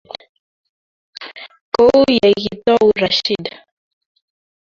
kou ye kitou Rashid.